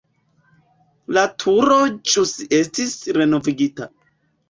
La turo ĵus estis renovigita.